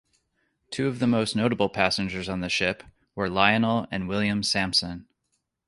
Two of the most notable passengers on the ship were Lionel and William Samson.